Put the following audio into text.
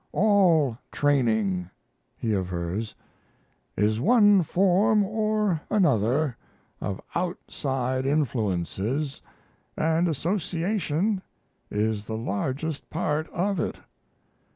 "All training," he avers, "is one form or another of outside influences, and association is the largest part of it.